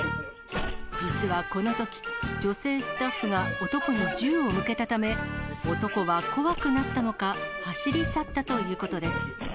実はこのとき、女性スタッフが男に銃を向けたため、男は怖くなったのか、走り去ったということです。